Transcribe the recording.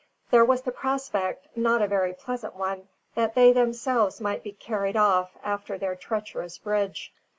There was the prospect not a very pleasant one that they themselves might be carried off after their treacherous bridge.